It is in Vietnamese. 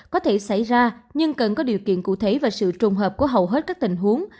có thể xảy ra nhưng cần có điều kiện cụ thể và sự trùng hợp của hầu hết các tình huống